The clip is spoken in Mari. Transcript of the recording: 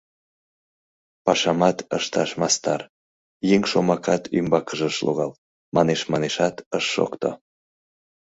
Пашамат ышташ мастар, еҥ шомакат ӱмбакыже ыш логал, манеш-манешат ыш шокто.